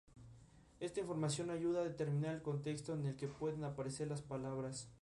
Su viaje cambia a Ben a su regreso a California.